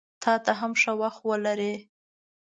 تاته هم ښه وخت ولرې!